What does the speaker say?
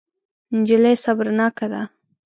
نجلۍ صبرناکه ده.